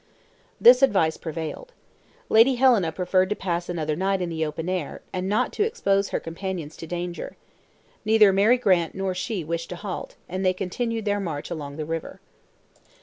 This advice prevailed. Lady Helena preferred to pass another night in the open air, and not to expose her companions to danger. Neither Mary Grant or she wished to halt, and they continued their march along the river.